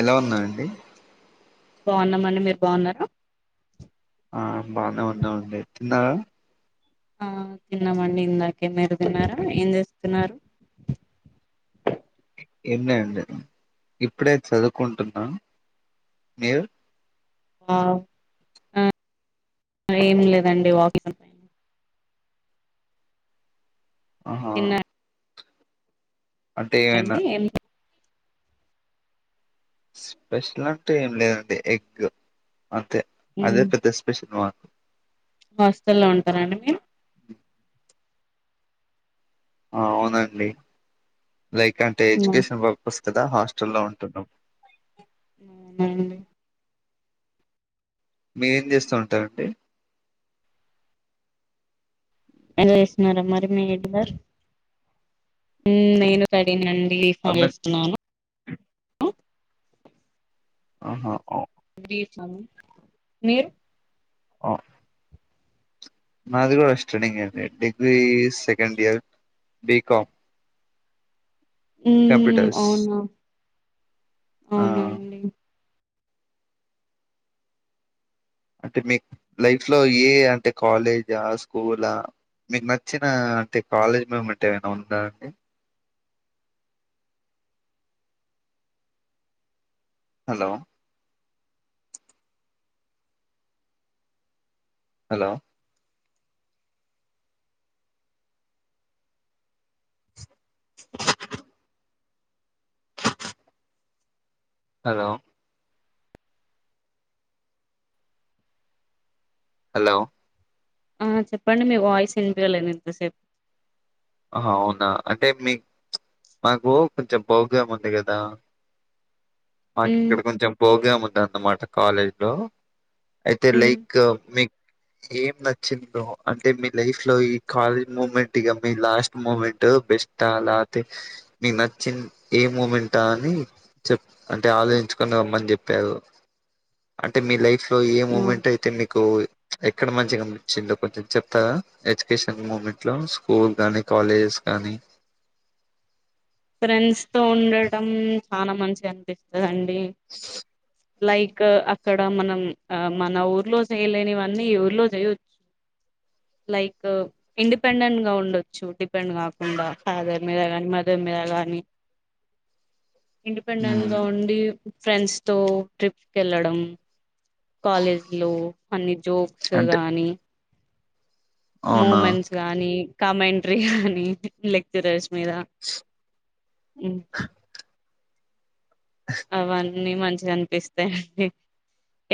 ఎలా ఉన్న అండి బాగున్నామ అండి మీరు బావున్నారా ఆ బాగానే ఉన్నామండి తిన్నార ఆ తిన్నామండి ఇందాకే మిరు తిన్నారా ఏం చేస్తున్నారు ఏం లేదండి ఇప్పుడై చదువుకుంటున్నా మీరు ఆ ఆ ఏమి లేదండి వాకింగ్ పైన ఆహా అంటే ఏన్నా తిన్నారండి ఏం స్పెషల్ అంటే ఏం లేదండి ఎగ్ అంతే ఉమ్ అదే పెద్ద స్పెషల్ మాకు హాస్టల్లో ఉంటారా అండి మీరు అవునండి లైక్ అంటే ఎడ్యుకేషన్ పర్పస్ త్తదా హాస్టల్లో ఉంటున్నాము అవునండి మీరేం చేస్తా ఉంటారండి ఎంజాయ్ చేస్తున్నారా మరి మీ ఇద్దరు నేను స్టడీ నండి రిలీఫ్ అర్థం చేస్తున్నాను ఆహా ఓ [unintelligible] మీరు ఆ నాది కూడా స్టటింగ్ అండి degree second year BCom BCom హు కంప్యూటర్స్ అవునా ఆ అవునండి అంటే మీకు లైఫ్ లో ఏ అంటే కాలేజా స్కూలా మీకు నచ్చిన అంటే కాలేజ్ మూమెంట్ ఏమైనా ఉందా అండి హలో హలో హలో హలో ఆ చెప్పండి మీ వాయిస్ ఇన్‌పయలేధు ఇంథాసేపు ఆహా అవునా అంటే మీ మాకు కొంచెం బాగా ఉంది కదా మాకు మ్మ్ ఇక్కడ కొంచెం బోగా ఉందంద అన్నమాట కాలేజ్ లో అయితే లైక్ మీకె ఏం నచ్చిందో అంటే మీ లైఫ్ లో ఈ కాలేజ్ మూమెంట్గా మీ లాస్ట్ మూమెంట్ బెస్ట్ అలాతే మీకు నచ్చిన ఏ మూమెంట్ఆ అని చె అంటే ఆలోచించుకుొని రమ్మని చెప్పారు అంటే మీ లైఫ్ ఏ మ్మ్ మూమెంట్ అయితే మీకు ఎక్కడ మంచిగా గమపించిందో కొంచెం చెప్తా ఎడ్యుకేషన్ మూమెంట్ లో స్కూల్ కానీ కాలేజెస్ కానీ ఫ్రెండ్స్ తో ఉండటం చాలా మంచి అనిపిస్తుందండి లైక్ అక్కడ మనం ఆ మన ఊర్లో చేయలేనివన్నీ ఊర్లో చేయచ్చు లైక్ ఇండిపెండెంట్ గా ఉండొచ్చు పెండ్ కాకుండా ఫాదర్ మీద కానీ మదర్ మీద కానీ ఇండిపెండెంట్ గా మ్మ్ ఉండి ఫ్రెండ్స్ తో ట్రిప్స్కి వెళ్ళడం కాలేజ్ లో అన్ని జోక్స్ అంటే గానీ అవునా మూమెంట్స్ గానీ కామెంట్రీ గానీ లెక్చరర్స్ మీదా అవన్నీ మంచిగా అనిపిస్తాయిడి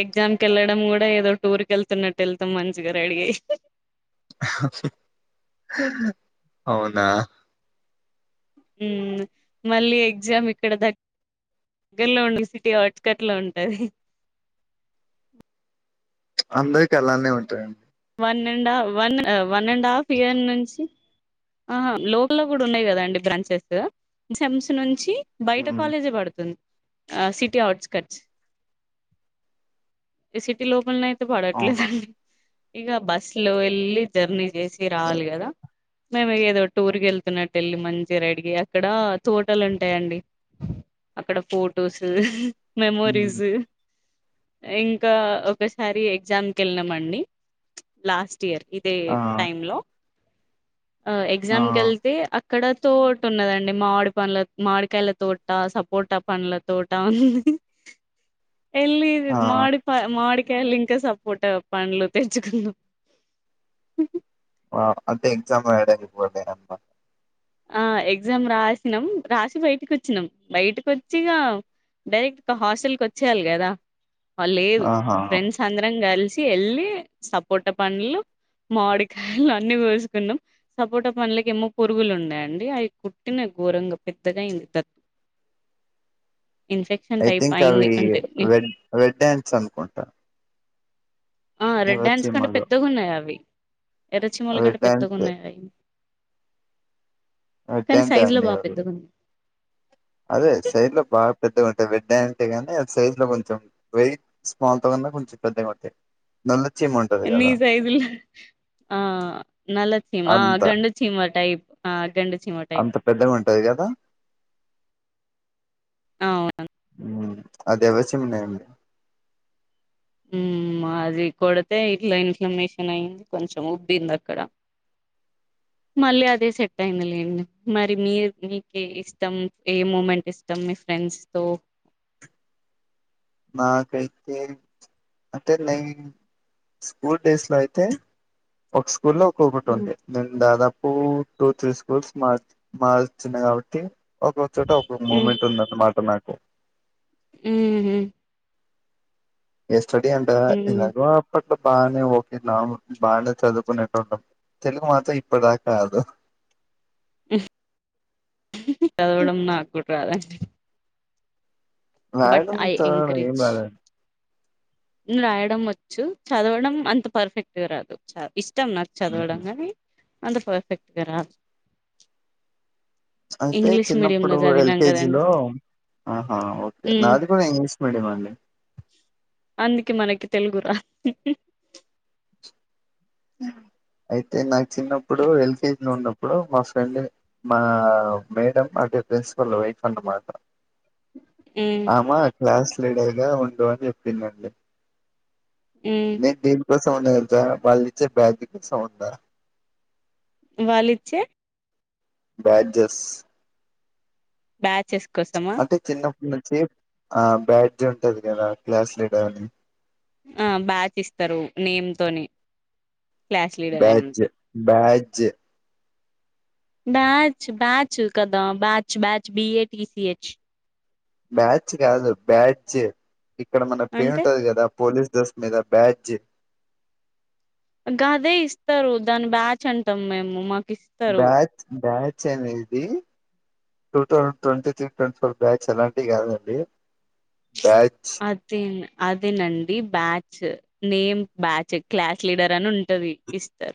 ఎగ్జామ్ క వెళ్ళడం కూడా ఏదో టూర్ కి వెళ్తున్నట్టు వెళ్తాం మంచిగా రడి అయి అవునా మళ్ళీ ఎగ్జామ్ ఇక్కడ దగ దగ్గర లో ఉండ సిటీ హాట్కట్ లో ఉంటది అందరికి అలానే ఉంటాయండి one and one one and half year నుంచి ఆహా లోక లో కూడా ఉన్నాయి కదా అండి బ్రాంచెస్ సమ్స్ నుంచి బయట మ్మ్ కాలేజీ పడుతుంది సిటీ ఆవుట్స్ కట్ సిటీ లోపల్ అవునా ఇష్టపడట్లేదండి ఇక బస్ లో వెళ్ళి జర్నీ చేసి ఏ- రావాలి కదా మేము ఏదో టూర్కి వెళ్తున్నట్టు వెళ్ళి మంచి రైడ్కి అక్కడ తోటలు ఉంటాయండి అక్కడ ఫొటోస్ మ్మ్ మెమోరీస్ ఇంకా ఒకసారి ఎగ్జామ్కి వెళనామ అండి లాస్ట్ ఇయర్ ఇదే ఆ టైమ్ లో ఆ ఎగ్జామ్ క వెళ్తే ఇక్కడ తోట ఉన్నదండి మామిడి పండ్ల మామిడికాయల తోట సపోటా పండ్ల తోట ఉంది ఎల్లి ఆ మాడి కయలు ఇంకా సపోర్ట్ అవ ప అండ్లు తెచ్చకుంద ఆంటే [unintelligible] ఆ ఎగ్జామ్ రాసినాం రాసి బయటకి వచ్చినాం బయటకి వచ్చిగా డైరెక్ట్ హాస్టల్ కి వచ్చేయాలి కదా వాళ్ లేదు ఆహా ఫ్రెండ్స్ అందరం కలిసి కి ఎల్లి సపోటా పండ్లు మాడికాయలు అన్ని పోసుకున్నాం సపోట పండ్లుకేమో పురుగులు ఉన్నయ్ అండి అయి కుట్టినై ఘోరంగా పెద్దగా అయింది దత్ ఐ థింక్ అవి రెడ్ రెడ్ ఆంట్స్ అనుకుంటా ఆ రెడ్ ఆంట్స్ కంటే హిరోషిమాలో పెద్దగా ఉన్నాయి అవి ఎర్ర చీమల కంటే రెడ్ పెద్దగా హ్యాండ్స్ ఉన్నాయి అయి రెడ్ కానీ హ్యాండ్స్ సైజు లో అండి బా అవి పెద్దగున్నయి అదే సైజ్ లో బా పెద్దగుంటయ్ అవి దే అంతే గానీ సైజ్ లో కొంచెం వెయిట్ స్మాల్ తో కన్నా కొంచెం పెద్దగుంటై నల్ల చీమ ఉంటది నీ కదా సైజులో ఆ నల్ల చీమ ఆ అంత గండు చీమ టైప్ ఆ గండు చీమ టైప్ టది గద అవును ఉమ్ అది ఎర్ర చీమ ఉన్నాయండి ఉమ్ మా అది కొడితే ఇట్ల ఇన్ఫ్లమేషన్ అయింది కొంచెం ఉబ్బంది అక్కడ మళ్ళీ అదే సెట్ అయిందిలేండి మరి మీర్ మీకే ఇష్టం ఏ మూమెంట్ ఇష్టం మీ ఫ్రెండ్స్ తో నాకైతే అంటే నేన్ స్కూల్ డేస్ లో అయితే ఒక్ స్కూల్లో ఒక్కొక్కటి ఉమ్, ఉండే నెన్ దాదాపు టూ టూ త్రీ స్కూల్స్ మార్ మారి వచ్చిన కాబట్టి ఒక్కొ చోట ఒక్కొక్క ఉమ్, మూమెంట్ ఉందన్నమాట నాకు ఉమ్ హు ఏ స్టడీ అంటారా ఉమ్. ఎలాగో అప్పట్ బాగనే ఒకే నార్మల్ బానే చదువుకునేటోన్ని తెలుగు మాత్రం ఇప్పుడుదాక రాదు చదవడం నాక్కూడా రాదండి బట్ రాయడం ఐ చదవడం ఏం ఎంకరేజ్ రాదండి రాయడం వచ్చు చదవడం అంత పర్ఫెక్ట్గా రాదు చ ఇస్ ష్టం నాకు చదవడం గనీ అంత పర్ఫెక్ట్గారాదు అయితే చిన్నప్పుడు కదండి ఎల్కేజిలో ఆహా ఓకే ఉమ్ నాది గుడ ఇంగ్లీష్ మీడియం అండి అందుకే మనకి తెలుగు రాద్ అయితే నాకు చిన్నప్పుడు ఎల్కే లో ఉన్నప్పుడు మా ఫ్రెండ్ మా మేడం అదే ప్రిన్సిపల్ వైఫ్ అన్నమాట ఉమ్ ఆమ క్లాస్ లీడర్గా ఉండు అని చెప్పిందండి ఉమ్ నేన్ దేని సౌండ్ తెల్సా వాళ్ళిచ్చే బ్యాజ్ కి సౌండా వాళ్ళిచ్చే బ్యాడ్జెస్ బ్యాచెస్ కోసమా అంటే చిన్నప్పటి నుంచి ఆ బ్యాడ్జ్ ఉంటది కదా క్లాస్ లీడర్ అని ఆ బ్యాచ్ ఇస్తరు నేమ్ తొని బ్యాడ్జ్ బ్యాడ్జ్ బ్యాచ్ బ్యాచ్ కదా batch batch B A T C H batch కాదు బ్యాడ్జ్ ఇక్కడ మన పే అంటే ఉంటది కదా పోలీస్ డ్రెస్ మీద బ్యాడ్జ్ గదే ఇస్తరు దాన్ని బ్యాచ్ అంటాం మేము మాక్ బ్యాచ్ బ్యాచ్ అనేది two thousand twenty three twenty four batch అలాంటి కాదండి బ్యాచ్ అది న్ అదేనండి batch name batch class leader అని ఉంటది ఇస్త్